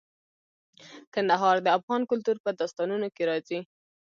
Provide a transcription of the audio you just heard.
کندهار د افغان کلتور په داستانونو کې راځي.